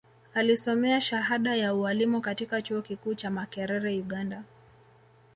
Alisomea shahada ya Ualimu katika Chuo Kikuu cha Makerere Uganda